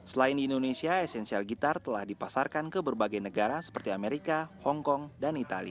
selain di indonesia esensial gitar telah dipasarkan ke berbagai negara seperti amerika hongkong dan itali